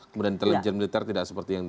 kemudian intelijen militer tidak seperti yang di